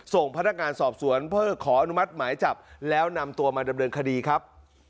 ส่งพนักงานสอบสวนเพื่อขออนุมัติหมายจับแล้วนำตัวมาดำเนินคดีครับ